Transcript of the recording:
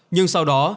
nhưng sau đó